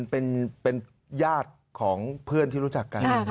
เป็นญาติของเพื่อนที่รู้จักกัน